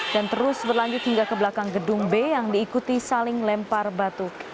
dan terus berlanjut hingga ke belakang gedung b yang diikuti saling lempar batu